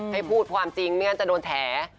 ให้พูดความจริงเนี่ยจะโดนแถ